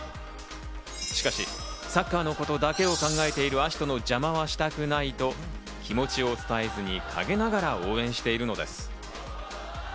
しかし、サッカーのことだけを考えている葦人の邪魔はしたくないと気持ちを伝えずに陰ながら応援しているのです。